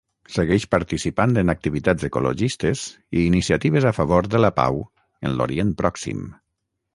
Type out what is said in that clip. Segueix participant en activitats ecologistes i iniciatives a favor de la pau en l'Orient Pròxim.